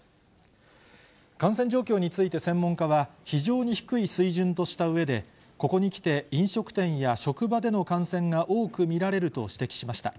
感染状況について専門家は、非常に低い水準としたうえで、ここにきて、飲食店や職場での感染が多く見られると指摘しました。